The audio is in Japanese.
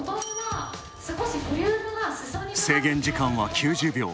制限時間は９０秒。